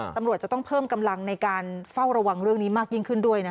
ตำรวจจะต้องเพิ่มกำลังในการเฝ้าระวังเรื่องนี้มากยิ่งขึ้นด้วย